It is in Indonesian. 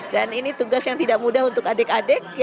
dan ini tugas yang tidak mudah untuk adik adik